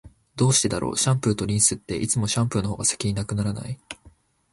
どうしてだろう、シャンプーとリンスって、いつもシャンプーの方が先に無くならない？